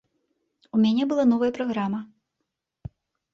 Я мяне была новая праграма.